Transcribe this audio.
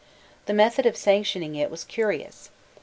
The method of sanctioning it was curious.